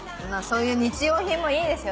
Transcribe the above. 日用品もいいですよ